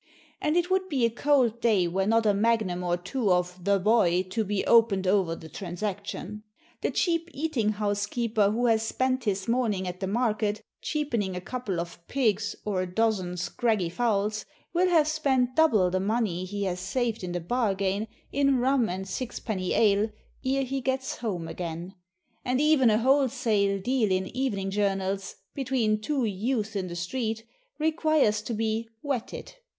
And it would be a cold day were not a magnum or two of "the Boy" to be opened over the transaction. The cheap eating house keeper who has spent his morning at the "market," cheapening a couple of pigs, or a dozen scraggy fowls, will have spent double the money he has saved in the bargain, in rum and six penny ale, ere he gets home again; and even a wholesale deal in evening journals, between two youths in the street, requires to be "wetted."